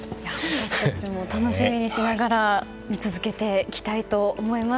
私たちも楽しみにしながら見続けていきたいと思います。